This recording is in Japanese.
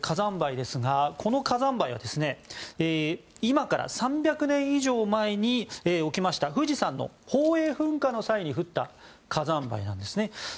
この火山灰は今から３００年以上前に起きました富士山の宝永噴火の際に降った火山灰なんです。